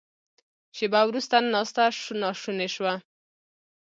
شیبه وروسته ناسته ناشونې شوه.